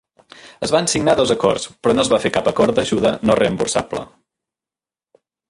Es van signar dos acords, però no es va fer cap acord d'ajuda no reemborsable.